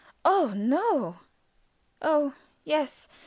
"Oh, no!" "Oh, yes!